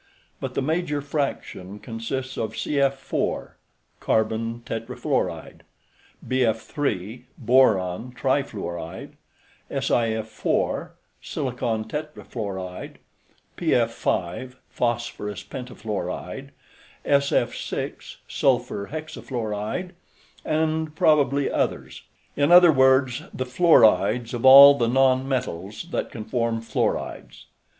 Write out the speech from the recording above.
but the major fraction consists of CF_ (carbon tetrafluoride), BF_ (boron trifluoride), SiF_ (silicon tetrafluoride), PF_ (phosphorous pentafluoride), SF_ (sulphur hexafluoride) and probably others. In other words, the fluorides of all the non metals that can form fluorides.